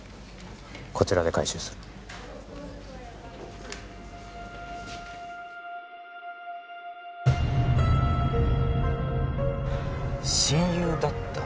こちらで回収する親友だった？